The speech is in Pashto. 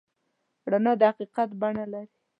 رڼا د حقیقت بڼه لري.